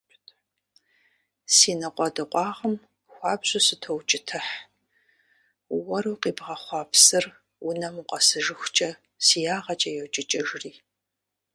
Си ныкъуэдыкъуагъым хуабжьу сытоукӀытыхь, уэру къибгъэхъуа псыр унэм укъэсыжыхукӀэ си ягъэкӀэ йокӀыкӀыжри.